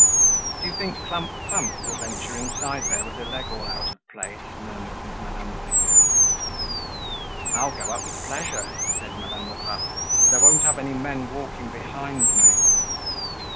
"Do you think Clump clump will venture inside there with her leg all out of place?" murmured Madame Lorilleux. "I'll go up with pleasure," said Madame Lerat, "but I won't have any men walking behind me."